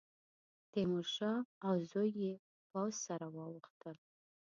تیمورشاه او زوی یې پوځ سره واوښتل.